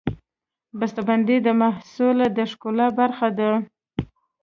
بستهبندي د محصول د ښکلا برخه ده.